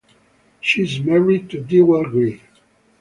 She is married to Dewald Grey.